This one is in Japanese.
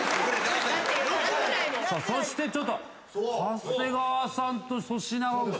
そしてちょっと長谷川さんと粗品が。